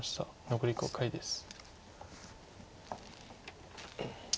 残り５回です。